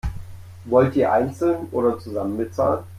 Wollt ihr einzeln oder zusammen bezahlen?